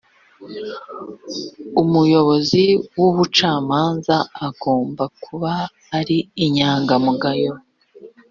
umuyobozi w'ubucamanza agomba kuba ari inyangamugayo